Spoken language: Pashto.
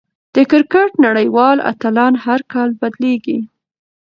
د کرکټ نړۍوال اتلان هر کال بدلېږي.